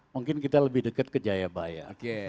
mungkin kita lebih dekat ke jayabaya